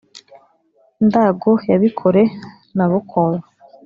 ndago ya bikore na bukoba